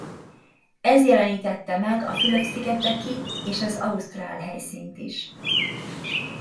Ez jelenítette meg a Fülöp-szigeteki és az ausztrál helyszínt is.